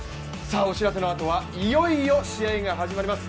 お知らせのあとは、いよいよ試合が始まります。